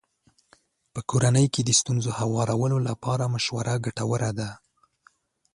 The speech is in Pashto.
په کورنۍ کې د ستونزو هوارولو لپاره مشوره ګټوره ده.